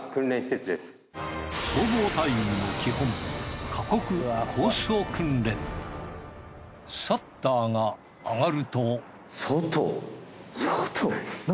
消防隊員の基本シャッターが上がると外？